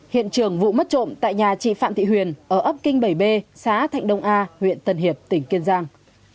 hiện trường vụ mất trộm tại nhà chị phạm thị huyền ở ấp kinh bảy b xã thạnh đông a huyện tân hiệp tỉnh kiên giang